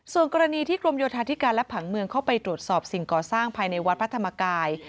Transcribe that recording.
ส่วนกรณีที่กรมโยธาธิการและผังเมืองเข้าไปตรวจสอบสิ่งก่อสร้างภายในวัดพระธรรมกาย